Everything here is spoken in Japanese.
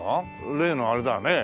例のあれだよね。